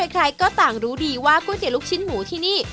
ใครก็ต่างรู้ดีว่าก๋วยเตี๋ยลูกชิ้นหมูที่นี่